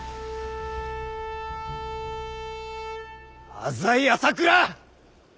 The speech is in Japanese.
浅井朝倉！